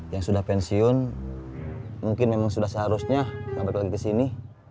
yang sudah pensiun mungkin memang sudah seharusnya balik lagi ke sini